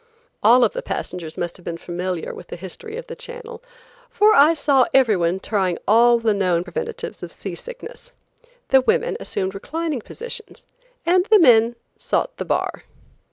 All the passengers must have been familiar with the history of the channel, for I saw everyone trying all the known preventives of seasickness. The women assumed reclining positions and the men sought the bar.